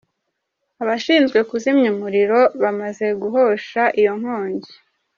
Abashinzwe kuzimya umuriro bamaze guhosha iyo nkongi.